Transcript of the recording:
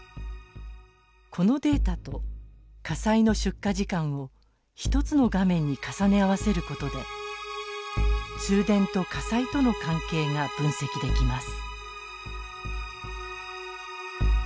このデータと火災の出火時間を一つの画面に重ね合わせる事で通電と火災との関係が分析できます。